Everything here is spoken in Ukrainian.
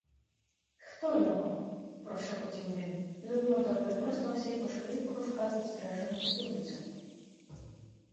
— Хто його? — прошепотів він. Людота випростався й пошкріб кружка підстрижену потилицю.